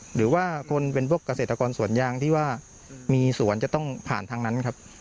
หรือว่าคนเป็นพวกเกษตรกรสวนยางที่ว่ามีสวนจะต้องผ่านทางนั้นครับ